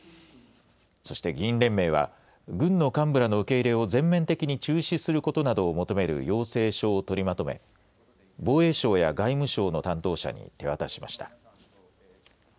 そして議員連盟は、軍の幹部らの受け入れを全面的に中止することなどを求める要請書を取りまとめ、防衛省や外務省の担当者に手渡しました。